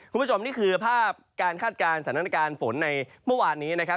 คุณผู้ชมนี่คือภาพการคาดการณ์สถานการณ์ฝนในเมื่อวานนี้นะครับ